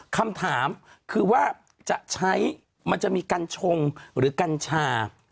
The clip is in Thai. คำถามคือว่าจะใช้มันจะมีกัญชงหรือกัญชา